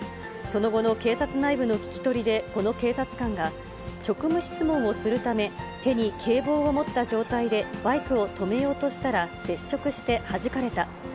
その後の警察内部の聞き取りで、この警察官が、職務質問をするため、手に警棒を持った状態でバイクを止めようとしたら接触して、はじかれた。